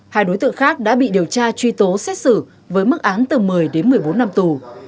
hai đối tượng khác đã bị điều tra truy tố xét xử với mức án từ một mươi đến một mươi bốn năm tù